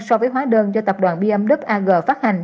so với hóa đơn do tập đoàn bmw ag phát hành